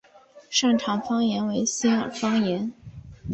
擅长方言为新舄方言。